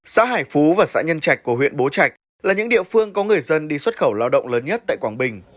xã hải phú và xã nhân trạch của huyện bố trạch là những địa phương có người dân đi xuất khẩu lao động lớn nhất tại quảng bình